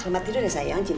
selamat tidur ya sayang cinta